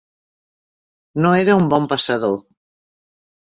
No era un bon passador.